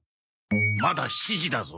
まだ７時だぞ。